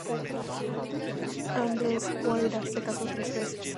Andrzej Wajda se casó tres veces.